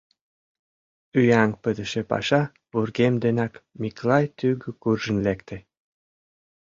Ӱяҥ пытыше паша вургем денак Миклай тӱгӧ куржын лекте.